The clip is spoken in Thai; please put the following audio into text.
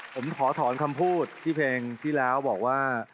ผมขอถอนคำพูดที่เพลงที่แล้วบอกว่า